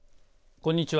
こんにちは。